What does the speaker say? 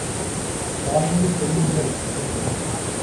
பாய்ந்து செல்லுங்கள்! என்றான்.